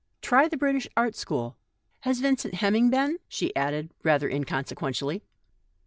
Try the British Art School. Has Vincent Hemming been ?" she added, rather inconsequently.